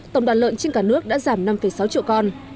tổng đoàn lợn trên cả nước đã giảm năm sáu triệu con